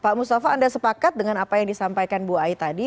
pak mustafa anda sepakat dengan apa yang disampaikan bu ai tadi